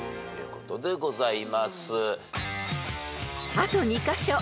［あと２カ所］